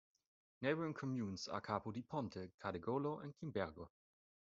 Neighbouring communes are Capo di Ponte, Cedegolo and Cimbergo.